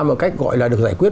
một cách gọi là được giải quyết